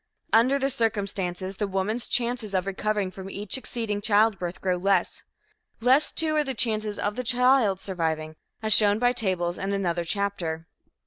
Under the circumstances, the woman's chances of recovering from each succeeding childbirth grow less. Less too are the chances of the child's surviving, as shown by tables in another chapter.